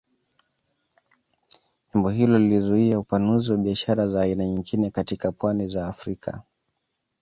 Jambo hilo lilizuia upanuzi wa biashara za aina nyingine katika pwani za Afrika